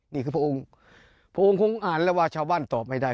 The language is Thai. นี่คือพระองค์พระองค์คงอ่านแล้วว่าชาวบ้านตอบไม่ได้